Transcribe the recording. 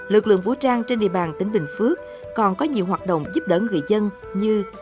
lực lượng vũ trang trên địa bàn tỉnh bình phước còn có nhiều hoạt động giúp đỡ người dân như